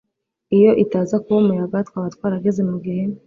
iyo itaza kuba umuyaga, twaba twarageze mugihe